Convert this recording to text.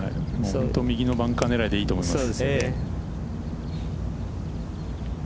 右のバンカー狙いでいいと思います。